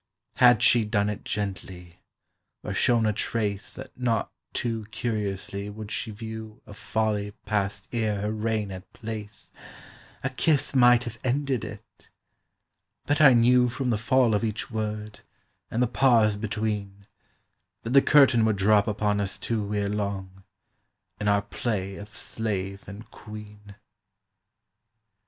Had she done it gently, or shown a trace That not too curiously would she view A folly passed ere her reign had place, A kiss might have ended it. But I knew From the fall of each word, and the pause between, That the curtain would drop upon us two Ere long, in our play of slave and queen.